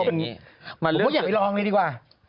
ผมก็อยากลองดีกว่า